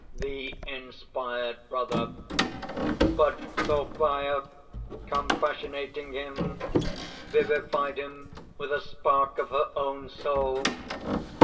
THE INSPIRED BROTHER. "But Sophia, compassionating him, vivified him with a spark of her own soul.